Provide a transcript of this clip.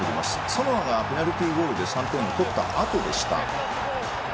サモアがペナルティゴールで３点を取ったあとでした。